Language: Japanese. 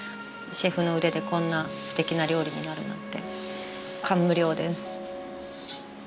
シェフの腕でこんな素敵な料理になるなんて感無量です。